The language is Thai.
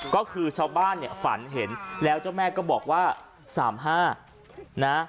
ก็คือชาวบ้านเนี่ยฝันเห็นแล้วเจ้าแม่ก็บอกว่า๓๕นะ